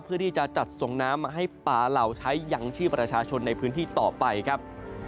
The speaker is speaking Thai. เพื่อที่จะจัดส่งน้ำมาให้ป่าเหล่าใช้ยังชีพประชาชนในพื้นที่ต่อไปครับ